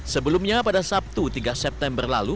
sebelumnya pada sabtu tiga september lalu